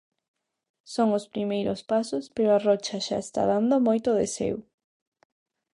Son os primeiros pasos, pero a Rocha xa está dando moito de seu.